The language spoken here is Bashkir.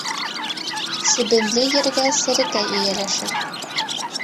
Себенле ергә серәкәй эйәләшер.